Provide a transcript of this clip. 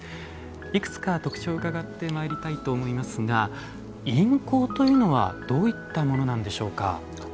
いくつか、特徴を伺ってまいりたいと思いますが印香というのはどういったものなんでしょうか？